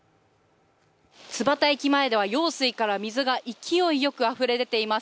津幡駅前では用水から水が勢いよくあふれ出ています。